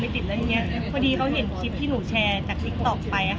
ผมโทรไปที่๑๕๘๔ตัวไม่ติดเลยตัวตั้งแต่เมื่อวาน